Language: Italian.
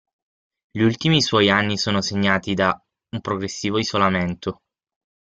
Gli ultimi suoi anni sono segnati da un progressivo isolamento.